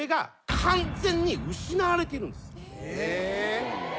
そうなんだ。